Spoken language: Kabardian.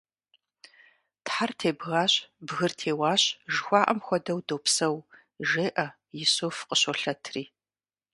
Тхьэр тебгащ, бгыр теуащ, жыхуаӀэм хуэдэу допсэу, – жеӀэ Исуф къыщолъэтри.